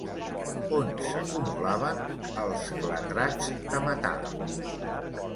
On s'acumulaven els clatrats de metà?